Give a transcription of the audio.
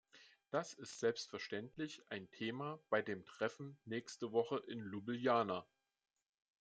Das ist selbstverständlich ein Thema bei dem Treffen nächste Woche in Ljubljana.